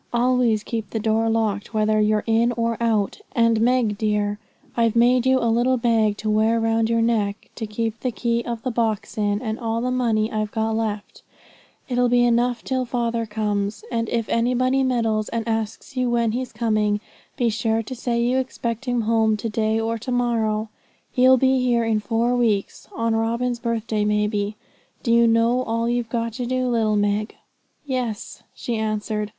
Always keep the door locked, whether you're in or out; and, Meg dear, I've made you a little bag to wear round your neck, to keep the key of the box in, and all the money I've got left; it'll be enough till father comes. And if anybody meddles, and asks you when he's coming, be sure say you expect him home to day or to morrow. He'll be here in four weeks, on Robin's birthday, may be. Do you know all you've got to do, little Meg?' 'Yes,' she answered.